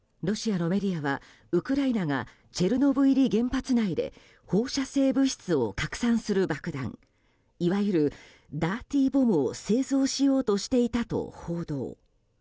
ロシアのメディアはウクライナがチェルノブイリ原発内で放射性物質を拡散する爆弾いわゆるダーティーボムを製造しようとしていたと報道。